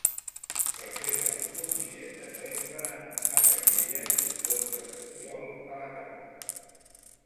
Reserva'm un bitllet de tren per anar a Canyelles l'onze de juliol a la tarda.